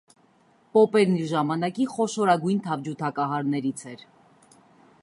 Պոպերն իր ժամանակի խոշորագույն թավջութակահարներից էր։